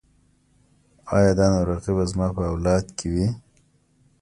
ایا دا ناروغي به زما په اولاد کې وي؟